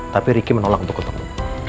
tapi ricky menolak untuk ketemu